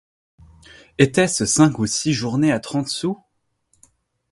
Était-ce cinq ou six journées à trente sous?